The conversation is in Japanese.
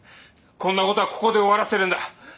こんな事はここで終わらせるんだ。